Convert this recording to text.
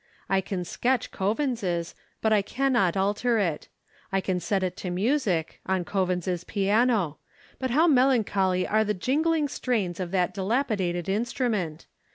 I can sketch Coavins's, but I cannot alter it: I can set it to music, on Coavins's piano; but how melancholy are the jingling strains of that dilapidated instrument!